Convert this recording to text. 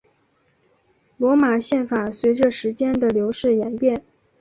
罗马宪法随着时间的流逝演变。